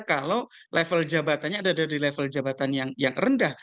kalau level jabatannya ada dari level jabatan yang rendah